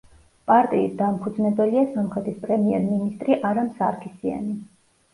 პარტიის დამფუძნებელია სომხეთის პრემიერ-მინისტრი არამ სარქისიანი.